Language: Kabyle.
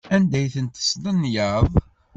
Anda ay ten-testenyaḍ?